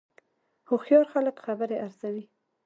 هوښیار خلک خبرې ارزوي